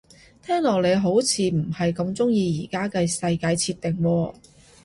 聽落你好似唔係咁鍾意而家嘅世界設定喎